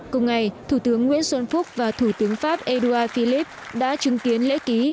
cùng ngày thủ tướng nguyễn xuân phúc và thủ tướng pháp édouard philippe đã chứng kiến lễ ký